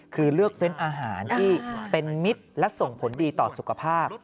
คือเลือกเฟ้นอาหารที่เป็นมิตรและส่งผลดีต่อสุขภาพ